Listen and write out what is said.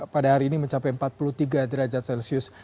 pada hari ini mencapai empat puluh tiga derajat celcius